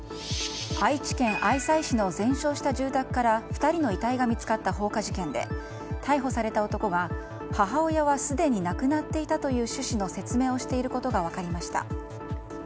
愛知県愛西市の全焼した住宅から２人の遺体が見つかった放火事件で逮捕された男が、母親はすでに亡くなっていたという趣旨の説明をしていることが分かりました。